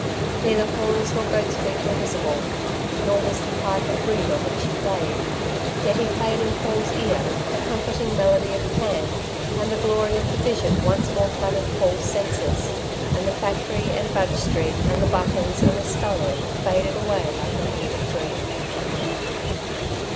Neither horns nor goat's feet were visible; nor was the pipe of reed on which he played. Yet he played, in Paul's ear, the comforting melody of Pan, and the glory of the Vision once more flooded Paul's senses, and the factory and Budge Street and the Buttons and the scullery faded away like an evil dream.